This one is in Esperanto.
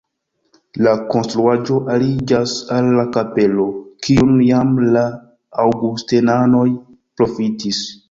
La konstruaĵo aliĝas al la kapelo, kiun jam la aŭgustenanoj profitis.